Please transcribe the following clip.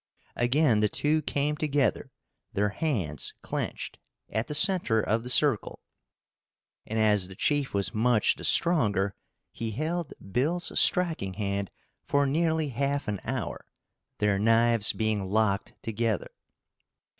Again the two came together, their hands clenched, at the center of the circle, and, as the chief was much the stronger, he held Bill's striking hand for nearly half an hour, their knives being locked together.